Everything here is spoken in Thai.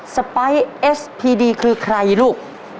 ไปเอสพีดีคือใครลูก